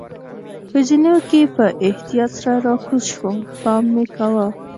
په زینو کې په احتیاط سره راکوز شوم، پام مې کاوه.